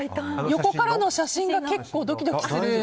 横からの写真が結構ドキドキする。